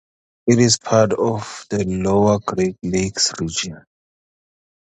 It is part of the Iowa Great Lakes region.